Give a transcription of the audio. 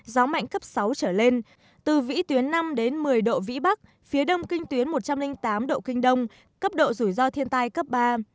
gió mạnh cấp sáu trở lên từ vĩ tuyến năm một mươi độ vĩ bắc phía đông kinh tuyến một trăm linh tám độ kinh đông cấp độ rủi ro thiên tai cấp ba